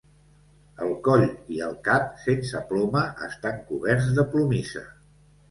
El coll i el cap, sense ploma, estan coberts de plomissa.